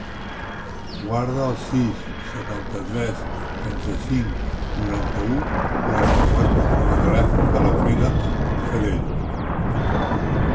Guarda el sis, setanta-tres, trenta-cinc, noranta-u, quaranta-quatre com a telèfon de la Frida Forcadell.